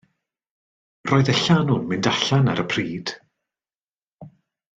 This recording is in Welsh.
Roedd y llanw'n mynd allan ar y pryd.